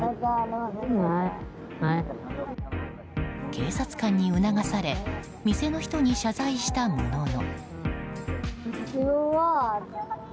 警察官に促され店の人に謝罪したものの。